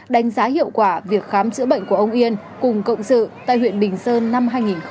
đánh giá hiệu quả việc khám chữa bệnh của ông yên cùng cộng sự tại huyện bình sơn năm hai nghìn một mươi bảy